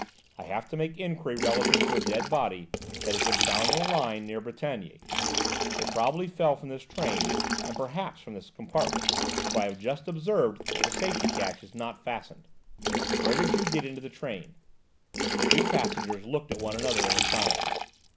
"I have to make enquiry relative to a dead body that has been found on the line near Brétigny; it probably fell from this train, and perhaps from this compartment, for I have just observed that the safety catch is not fastened. Where did you get into the train?" The two passengers looked at one another in astonishment.